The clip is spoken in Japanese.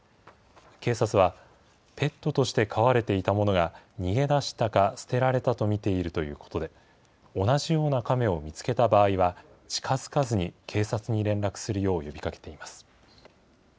警察は、ペットとして飼われていたものが逃げ出したか、捨てられたと見ているということで、同じようなカメを見つけた場合は、近づかずに、警察に連絡するよう呼びかけています。